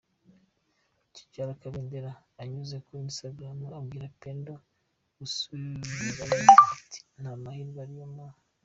Tidjara Kabendera anyuze kuri Instagram abwira Pendo gusubirayo ati “Nta mahwa ariyo maaa.